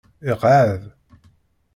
Iqeɛɛed.